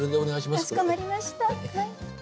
かしこまりました。